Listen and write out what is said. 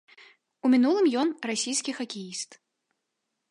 У мінулым ён расійскі хакеіст.